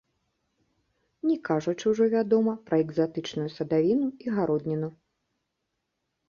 Не кажучы ўжо, вядома, пра экзатычную садавіну і гародніну.